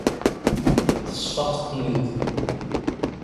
Tesfaqeḍ-ten-id.